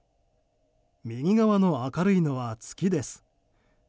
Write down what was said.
右側の明るいのは月です。